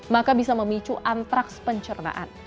maka bisa memicu antraks pencernaan